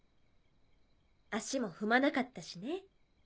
足も踏まなかったしね。